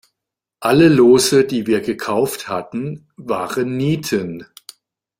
Alle Lose, die wir gekauft hatten, waren Nieten.